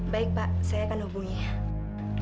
baik pak saya akan hubungi